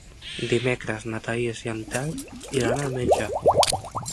Dimecres na Thaís i en Telm iran al metge.